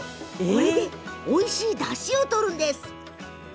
これでおいしいだしを取るんです。